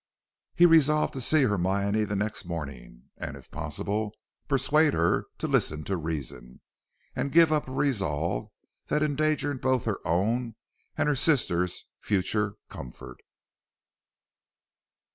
He resolved to see Hermione the next morning, and, if possible, persuade her to listen to reason, and give up a resolve that endangered both her own and her sister's future comfort.